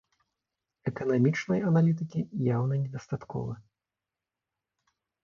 Эканамічнай аналітыкі яўна недастаткова.